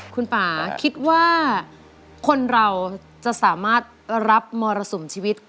คุณป่าคิดว่าคนเราจะสามารถรับมรสุมชีวิต